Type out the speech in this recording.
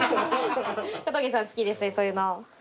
小峠さん好きですねそういうの。